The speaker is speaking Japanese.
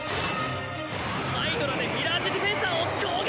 ハイドラでミラージュディフェンサーを攻撃！